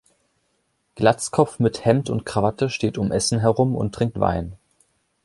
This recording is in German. Glatzkopf mit Hemd und Krawatte steht um Essen herum und trinkt Wein.